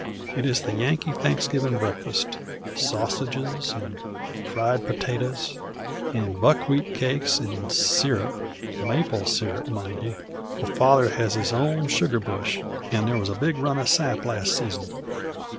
It is the Yankee Thanksgivin' breakfast, sausages an' fried potatoes, an' buckwheat cakes an' syrup, maple syrup, mind ye, for Father has his own sugar bush, and there was a big run o' sap last season.